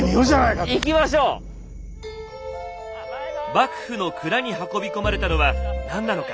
幕府の蔵に運び込まれたのは何なのか。